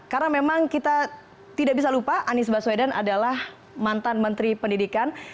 karena memang kita tidak bisa lupa anis baswedan adalah mantan menteri pendidikan